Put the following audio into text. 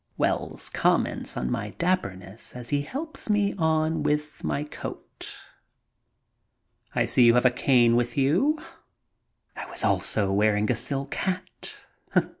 Wells comments on my dappemess as he helps me on with my coat. "I see you have a cane with you." I was also wearing a silk hat.